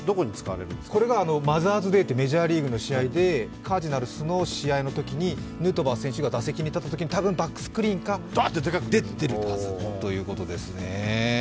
マザーズデーということで、カージナルスの試合のときにヌートバー選手が打席に立ったときに多分、バックスクリーンに出てるはずということですね。